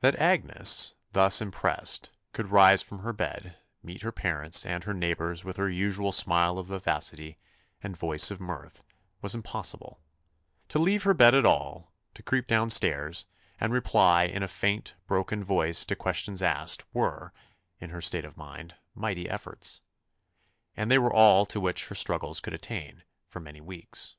That Agnes, thus impressed, could rise from her bed, meet her parents and her neighbours with her usual smile of vivacity, and voice of mirth, was impossible: to leave her bed at all, to creep downstairs, and reply in a faint, broken voice to questions asked, were, in her state of mind, mighty efforts; and they were all to which her struggles could attain for many weeks.